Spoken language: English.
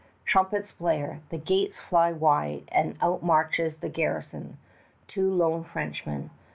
Trumpets blare. The gates fly wide and out marches the garrison two lone Frenchmen.